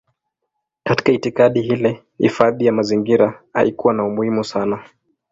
Katika itikadi ile hifadhi ya mazingira haikuwa na umuhimu sana.